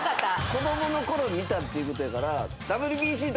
子どもの頃見たっていう事やから。